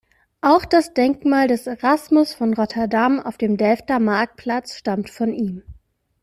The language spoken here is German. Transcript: Auch das Denkmal des Erasmus von Rotterdam auf dem Delfter Marktplatz stammt von ihm.